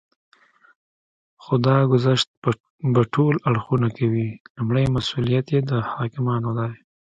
خو دا ګذشت به ټول اړخونه کوي. لومړی مسئوليت یې د حاکمانو دی